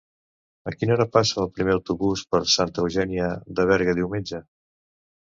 A quina hora passa el primer autobús per Santa Eugènia de Berga diumenge?